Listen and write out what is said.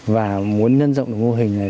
và muốn nhân rộng được mô hình này